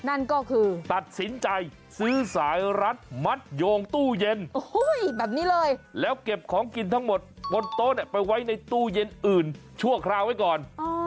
นั่นก็คือตัดสินใจซื้อสายรัดมัดโยงตู้เย็นแบบนี้เลยแล้วเก็บของกินทั้งหมดบนโต๊ะไปไว้ในตู้เย็นอื่นชั่วคราวไว้ก่อน